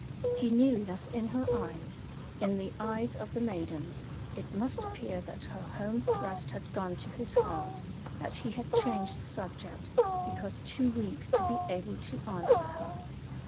He knew that in her eyes, in the eyes of the maidens, it must appear that her home thrust had gone to his heart, that he had changed the subject because too weak to be able to answer her.